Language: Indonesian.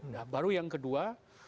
nah baru yang kedua